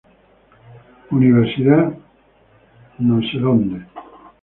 Univ., Ser.